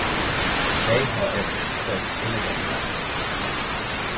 They, however, spoke elegant Latin.